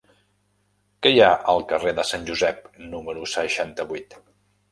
Què hi ha al carrer de Sant Josep número seixanta-vuit?